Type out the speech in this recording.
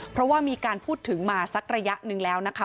เพราะว่ามีการพูดถึงมาสักระยะหนึ่งแล้วนะคะ